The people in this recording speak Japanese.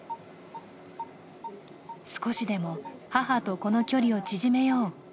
少しでも母と子の距離を縮めよう。